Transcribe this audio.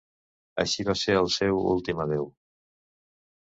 Així va ser el seu últim adéu.